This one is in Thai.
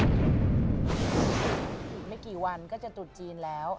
อีกไม่กี่วันก็จะตรุษจีนแล้ว